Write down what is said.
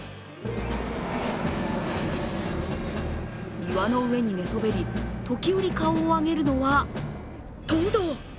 岩の上に寝そべり時折顔を上げるのはトド。